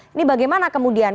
ini bagaimana kemudian